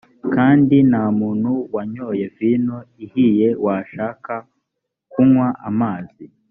kandi nta muntu wanyoye vino ihiye washaka kunywa amazi